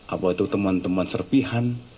apa itu temuan temuan serpihan